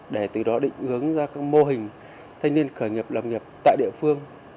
để từ đó định hướng ra các mô hình thanh niên khởi nghiệp lập nghiệp tại địa phương